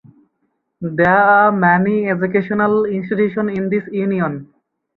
There are many educational institutions in this union.